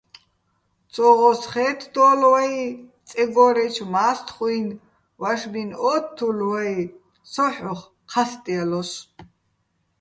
ცო ღოსხე́თდო́ლ ვაჲ წეგო́რეჩო̆ მა́სთხუჲნ, ვაშბინ ო́თთულ ვაჲ, სო ჰ̦ოხ ჴასტალოსო̆.